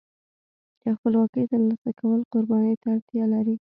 د خپلواکۍ ترلاسه کول قربانۍ ته اړتیا لري.